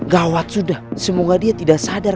gawat sudah semoga dia tidak sadar